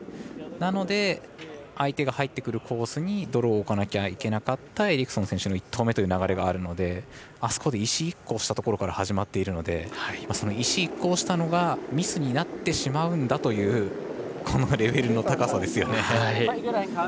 なので相手が入ってくるコースにドローを置かなきゃいけなかったエリクソン選手の１投目という流れがあるのであそこで石１個押したところから始まっているので石１個押したのがミスになってしまうんだというこのレベルの高さですよね。